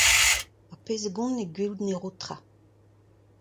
Ar pezh a gont eo gwelout ne ro tra.